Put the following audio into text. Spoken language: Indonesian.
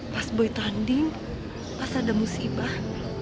pas boy tanding pas ada musibah